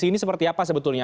ini seperti apa sebetulnya